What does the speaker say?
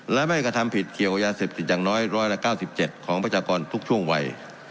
และไม่กระทำผิดเกี่ยวกับยาเสพติดอย่างน้อย๑๙๗ของประชากรทุกช่วงวัย